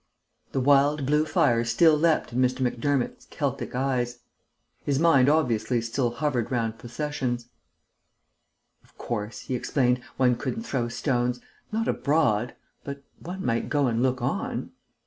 The wild blue fire still leapt in Mr. Macdermott's Celtic eyes. His mind obviously still hovered round processions. "Of course," he explained, "one couldn't throw stones. Not abroad. But one might go and look on...."